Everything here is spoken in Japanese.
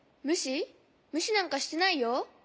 むしなんかしてないよ。